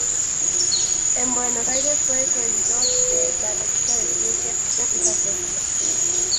En Buenos Aires fue coeditor de "La revista de ciencia-ficción y fantasía".